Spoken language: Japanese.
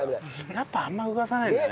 やっぱあんま動かさないんだね。